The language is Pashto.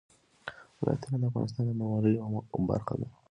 ولایتونه د افغانستان د بڼوالۍ یوه برخه ده.